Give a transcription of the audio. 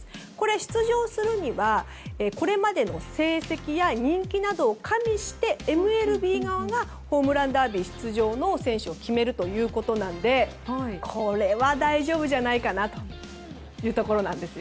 出場するにはこれまでの成績や人気などを加味してＭＬＢ側がホームランダービー出場を決めるということなのでこれは大丈夫じゃないかなというところなんですよ。